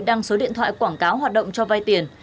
đăng số điện thoại quảng cáo hoạt động cho vay tiền